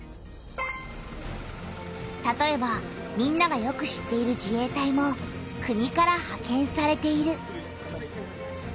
たとえばみんながよく知っている自衛隊も国からはけんされている。